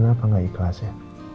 kenapa gak ikhlas ya